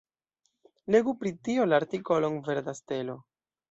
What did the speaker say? Legu pri tio la artikolon Verda stelo.